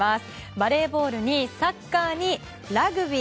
バレーボールにサッカーにラグビー。